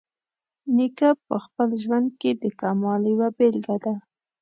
نیکه په خپل ژوند کې د کمال یوه بیلګه ده.